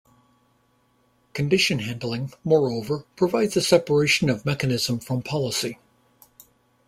Condition handling moreover provides a separation of mechanism from policy.